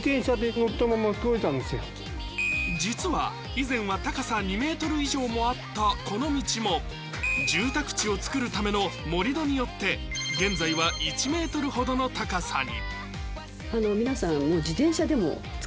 実は以前は高さ２ｍ以上あったこの道も住宅地を作るための盛り土によって現在は１ｍほどの高さに。